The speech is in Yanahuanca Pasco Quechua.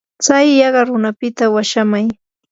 tsay yaqa runapita washaamay.